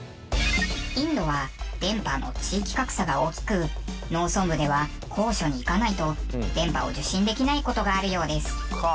インドは電波の地域格差が大きく農村部では高所に行かないと電波を受信できない事があるようです。